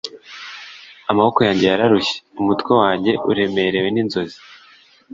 amaboko yanjye yararushye, umutwe wanjye uremerewe n'inzozi